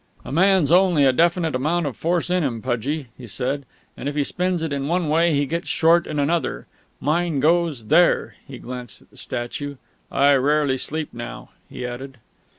"A man's only a definite amount of force in him, Pudgie," he said, "and if he spends it in one way he goes short in another. Mine goes there." He glanced at the statue. "I rarely sleep now," he added.